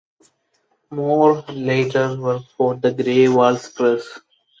Moore later worked for the Grey Walls Press.